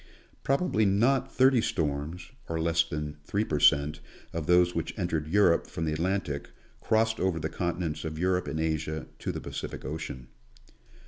Probably not thirty storms, or less than three per cent, of those which entered Europe from the Atlantic, crossed over the continents of Europe and Asia to the Pacific ocean.